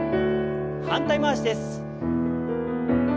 反対回しです。